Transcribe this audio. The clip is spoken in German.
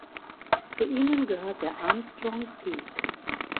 Zu ihnen gehört der Armstrong Peak.